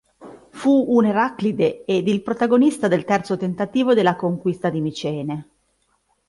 Fu un Eraclide ed il protagonista del terzo tentativo della conquista di Micene.